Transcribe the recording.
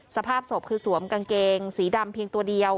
สภาพศพคือสวมกางเกงสีดำเพียงตัวเดียว